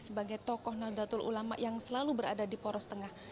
sebagai tokoh nadatul ulama yang selalu berada di poros tengah